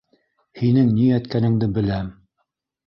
Һинең ни әйткәнеңде беләм.